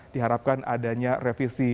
diharapkan adanya revisi